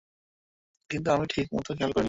কিন্ত আমি ঠিক মতো খেয়াল করিনি।